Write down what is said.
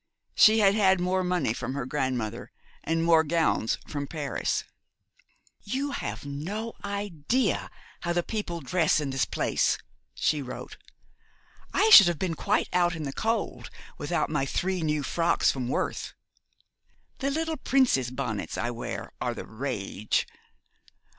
She had had more money from her grandmother, and more gowns from Paris. 'You have no idea how the people dress in this place,' she wrote. 'I should have been quite out in the cold without my three new frocks from Worth. The little Princess bonnets I wear are the rage.